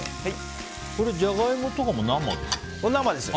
ジャガイモとかも生ですか？